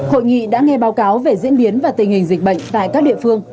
hội nghị đã nghe báo cáo về diễn biến và tình hình dịch bệnh tại các địa phương